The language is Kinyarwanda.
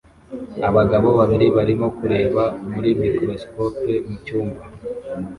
Abagabo babiri barimo kureba muri microscopes mucyumba